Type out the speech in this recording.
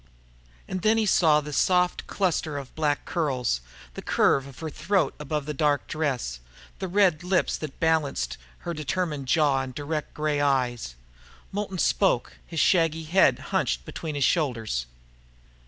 And then he saw the soft cluster of black curls, the curve of her throat above the dark dress, the red lips that balanced her determined jaw and direct grey eyes. Moulton spoke, his shaggy head hunched between his shoulders.